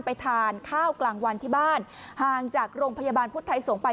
ไปทานข้าวกลางวันที่บ้านห่างจากโรงพยาบาลพุทธไทยสงฆ์ไป